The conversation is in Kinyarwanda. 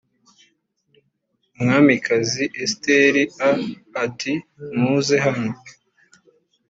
umwamikazi esiteri a ati muze hano